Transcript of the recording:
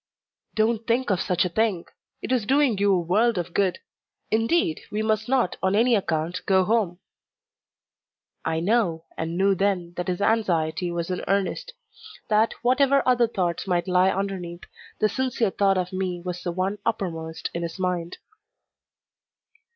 "Don't think of such a thing. It is doing you a world of good. Indeed, we must not, on any account, go home." I know, and knew then, that his anxiety was in earnest; that whatever other thoughts might lie underneath, the sincere thought of me was the one uppermost in his mind.